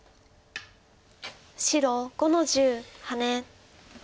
白５の十ハネ。